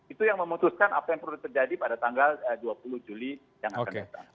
itu yang memutuskan apa yang perlu terjadi pada tanggal dua puluh juli yang akan datang